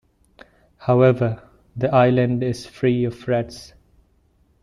However, the island is free of rats.